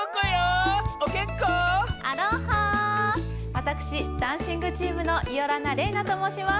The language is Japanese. わたくしダンシングチームのイオラナれいなともうします。